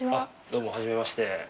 どうも、はじめまして。